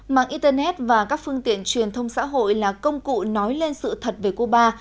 mạng internet và các phương tiện truyền thông xã hội là công cụ nói lên sự thật về cuba